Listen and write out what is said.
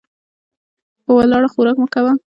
په ولاړه خوراک مه کوه .